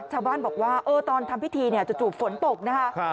ชาวบ้านบอกว่าตอนทำพิธีเนี่ยจู่ฝนตกนะคะ